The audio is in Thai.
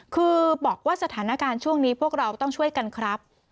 คือบอกว่าสถานการณ์ช่วงนี้พวกเราต้องช่วยกันครับ